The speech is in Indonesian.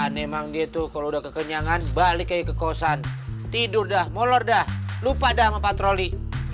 memang dia tuh kalau udah kekenyangan balik lagi ke kosan tidur dah molor dah lupa dah sama patroli